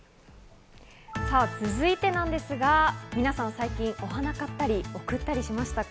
続いてなんですが、皆さん、最近お花を買ったり贈ったりしましたか？